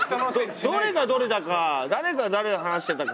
どれがどれだか誰が誰話してたか。